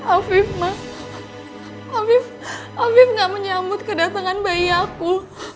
afif ma afif gak menyambut kedatangan bayi aku